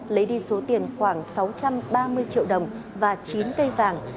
lấy đi số tiền khoảng sáu trăm ba mươi triệu đồng và chín cây vàng